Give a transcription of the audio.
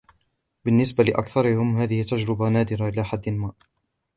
بالنسبة لأكثرهم ، هذه تجربة نادرة إلى حد ما.